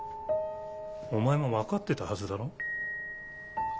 お前も分かってたはずだろ？